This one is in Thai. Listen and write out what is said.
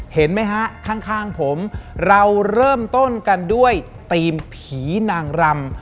เห็นไหมฮะข้างผมเราเริ่มต้นกันด้วยทีมผีนางรำ